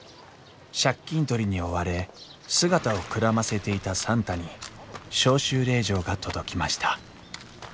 借金取りに追われ姿をくらませていた算太に召集令状が届きました